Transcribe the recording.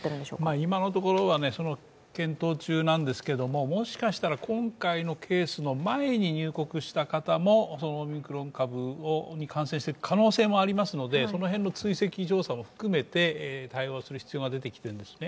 今のところは検討中なんですがもしかしたら今回のケースの前に入国した方もオミクロン株に感染している可能性もありますので、その辺の追跡調査も含めて対応する必要が出てきてるんですね。